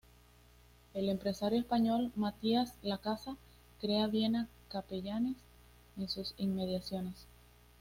El empresario español Matías Lacasa crea Viena Capellanes en sus inmediaciones.